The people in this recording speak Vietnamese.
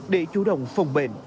để chủ động phòng bệnh